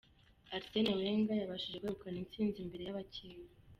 Arsene Wenger yabashije kwegukana intsinzi imbere y’abakeba.